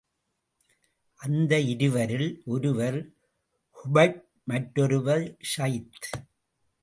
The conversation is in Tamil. அந்த இருவரில் ஒருவர் குபைப், மற்றொருவர் ஸைத்.